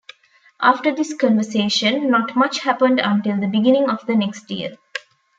After this conversation not much happened until the beginning of the next year.